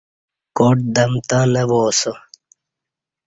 کاٹ دمتں نہ وا اسہ